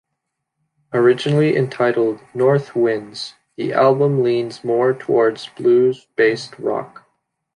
Originally entitled "North Winds", the album leans more towards blues-based rock.